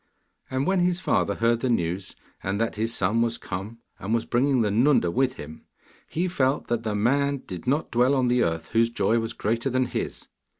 And when his father heard the news, and that his son was come, and was bringing the Nunda with him, he felt that the man did not dwell on the earth whose joy was greater than his.